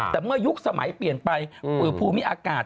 แต่เมื่อยุคสมัยเปลี่ยนไปภูมิอากาศ